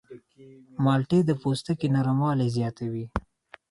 مالټې د پوستکي نرموالی زیاتوي.